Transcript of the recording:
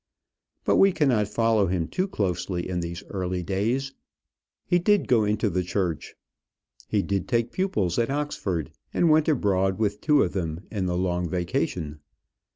But we cannot follow him too closely in these early days. He did go into the church. He did take pupils at Oxford, and went abroad with two of them in the long vacation.